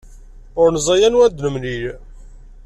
Ur neẓri anwa ara d-nemlil.